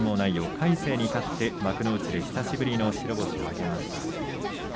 魁聖に勝って幕内で久しぶりの白星を挙げました。